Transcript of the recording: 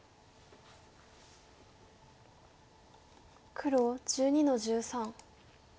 黒１２の十三。